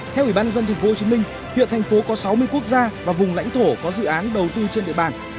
theo ủy ban dân thị phố hồ chí minh hiện thành phố có sáu mươi quốc gia và vùng lãnh thổ có dự án đầu tư trên địa bàn